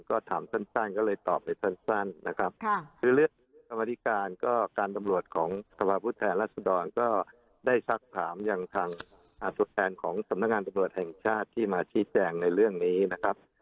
ก็ถามสั้นก็เลยตอบไปสั้นนะครับคือเรื่องกรรมธิการก็การตำรวจของสภาพผู้แทนรัศดรก็ได้สักถามอย่างทางตัวแทนของสำนักงานตำรวจแห่งชาติที่มาชี้แจงในเรื่องนี้นะครับ